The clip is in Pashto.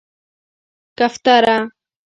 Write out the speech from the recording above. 🕊 کفتره